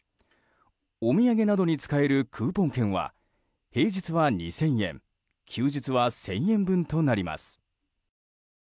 お土産などに使えるクーポン券は平日は２０００円休日は１０００円分となります。